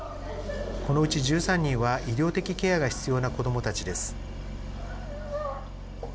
このうち１３人は医療的ケアが必要な子どもたちです。